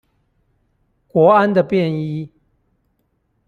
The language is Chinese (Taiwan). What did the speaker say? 國安的便衣